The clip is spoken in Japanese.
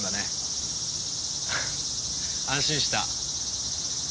安心した。